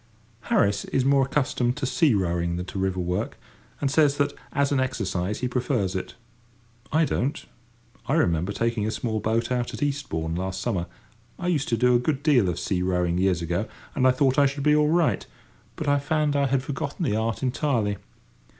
Harris is more accustomed to sea rowing than to river work, and says that, as an exercise, he prefers it. I don't. I remember taking a small boat out at Eastbourne last summer: I used to do a good deal of sea rowing years ago, and I thought I should be all right; but I found I had forgotten the art entirely.